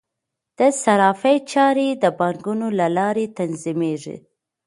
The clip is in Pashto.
د صرافۍ چارې د بانکونو له لارې تنظیمیږي.